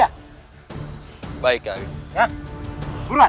cepat bawa anak anak kamu tidak sanggup bawa maizah sama kian santan